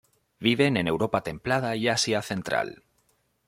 Viven en Europa templada y Asia Central.